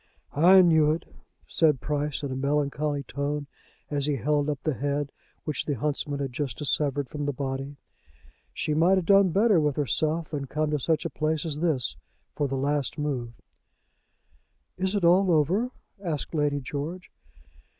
"I knew it," said Price in a melancholy tone, as he held up the head which the huntsman had just dissevered from the body. "She might 'a done better with herself than come to such a place as this for the last move." "Is it all over?" asked Lady George.